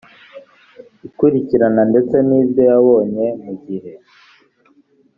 ikurikirana ndetse n ibyo yabonye mu gihe